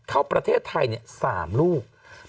เข้าประเทศไทยเนี่ย๓ลูก